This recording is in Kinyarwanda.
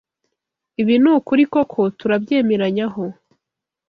Ibi ni ukuri koko turabyemeranyaho